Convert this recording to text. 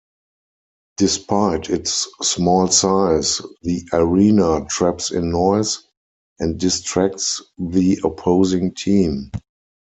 Despite its small size, the arena traps in noise, and distracts the opposing team.